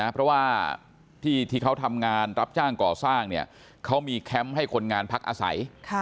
เพราะว่าที่เขาทำงานรับจ้างก่อสร้างเนี่ยเขามีแคมป์ให้คนงานพักอาศัย